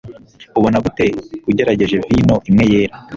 Ubona gute ugerageje vino imwe yera?